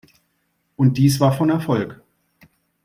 Und dies war von Erfolg.